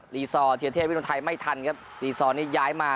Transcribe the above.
รีซอร์เทียเทพวิรุณไทยไม่ทันครับรีซอร์นี้ย้ายมา